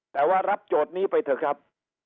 แต่ว่ารับโจทย์นี้ไปเถอะครับ